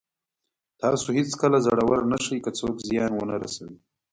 تاسو هېڅکله زړور نه شئ که څوک زیان ونه رسوي.